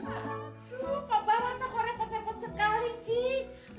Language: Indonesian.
lupa barang takut repot repot sekali sih